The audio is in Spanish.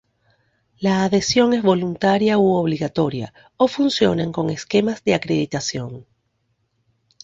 La adhesión es voluntaria u obligatoria o funcionan con esquemas de acreditación.